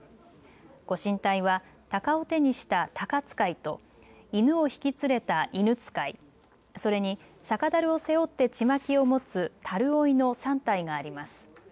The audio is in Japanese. ご神体は、たかを手にした鷹遣と犬を引き連れた犬遣、それに酒だるを背負ってちまきを持つ樽負の３体があります。